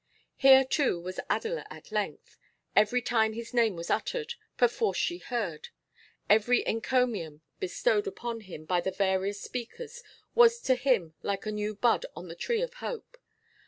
Here, too, was Adela at length; every time his name was uttered, perforce she heard; every encomium bestowed upon him by the various speakers was to him like a new bud on the tree of hope.